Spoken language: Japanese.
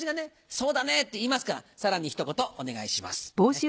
「そうだね」って言いますからさらにひと言お願いします。